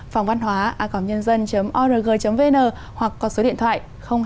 phòngvănhóa org vn hoặc có số điện thoại hai nghìn bốn trăm ba mươi hai sáu trăm sáu mươi chín năm trăm linh tám